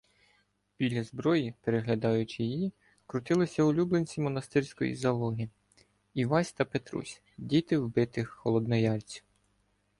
Біля зброї, переглядаючи її, крутилися улюбленці монастирської залоги — Івась та Петрусь, діти вбитих холодноярців.